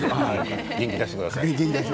元気出してください。